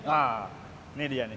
nah ini dia nih